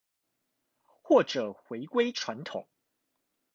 或者回歸傳統